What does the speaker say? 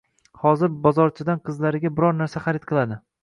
Hozir bozorchadan qizlariga biror narsa xarid qiladi